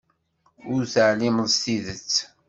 Ur teɛlimeḍ s tidet.